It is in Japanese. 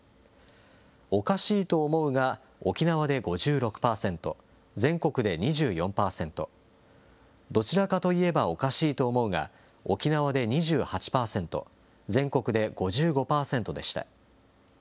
おかしいと思うが沖縄で５６％、全国で２４％、どちらかといえばおかしいと思うが沖縄で２８％、全国で５５％でした。